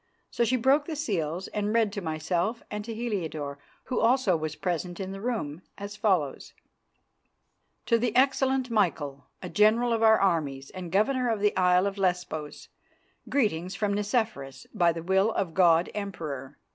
So she broke the seals and read to myself and to Heliodore, who also was present in the room, as follows: "'To the Excellent Michael, a General of our armies and Governor of the Isle of Lesbos, Greetings from Nicephorus, by the will of God Emperor.